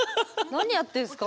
何やってんすか。